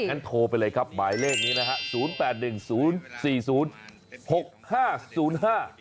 ก็โทรไปเลยครับหมายเลขนี้นะฮะ